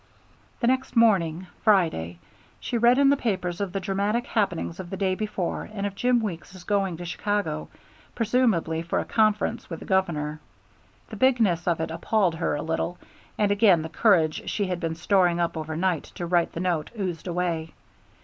The next morning, Friday, she read in the papers of the dramatic happenings of the day before and of Jim Weeks's going to Chicago, presumably for a conference with the Governor. The bigness of it appalled her a little, and again the courage she had been storing up over night to write the note oozed away.